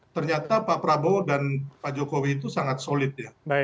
ternyata pak prabowo dan pak jokowi itu sangat solid ya